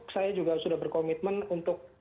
saya juga sudah berkomitmen untuk